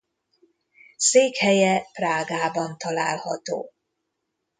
Székhelye Prágában található.